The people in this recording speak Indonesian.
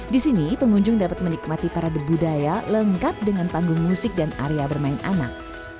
di sini pengunjung dapat menikmati parade budaya lengkap dengan panggung musik dan area bermain anak